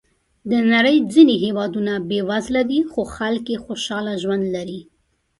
د نړۍ ځینې هېوادونه بېوزله دي، خو خلک یې خوشحاله ژوند لري.